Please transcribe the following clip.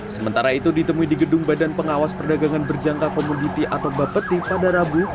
sementara itu ditemui di gedung badan pengawas perdagangan berjangka komoditi atau bapeti pada rabu